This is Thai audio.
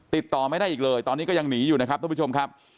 ติดต่อไม่ได้อีกเลยตอนนี้ก็ยังหนีอยู่นะครับทุกผู้ชมครับ